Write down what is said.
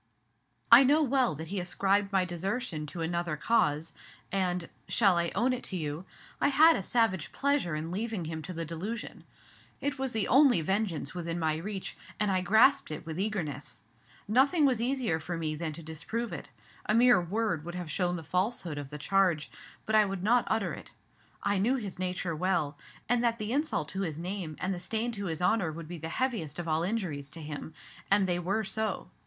"I know well that he ascribed my desertion to another cause, and shall I own it to you? I had a savage pleasure in leaving him to the delusion. It was the only vengeance within my reach, and I grasped it with eagerness. Nothing was easier for me than to disprove it, a mere word would have shown the falsehood of the charge; but I would not utter it. I knew his nature well, and that the insult to his name and the stain to his honor would be the heaviest of all injuries to him; and they were so.